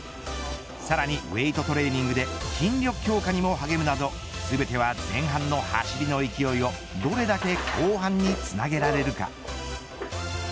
さらにウエートトレーニングで筋力強化にも励むなど全ては、前半の走りの勢いをどれだけ後半につなげられるか。